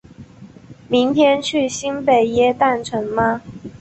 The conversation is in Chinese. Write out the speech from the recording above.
明天去新北耶诞城吗？